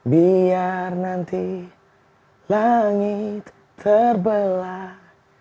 biar nanti langit terbelah